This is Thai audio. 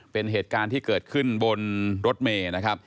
เป็นเหตุการณ์ที่เกิดขึ้นบนรถเมย์นะครับ